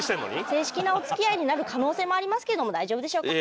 正式なお付き合いになる可能性もありますけども大丈夫でしょうか？